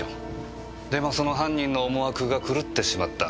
でもその犯人の思惑が狂ってしまった。